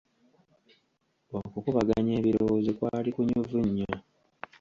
Okukubaganya ebirowoozo kwali kunyuvu nnyo.